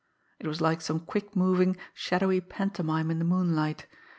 It was like some quick moving, shadowy pantomime in the moonlight.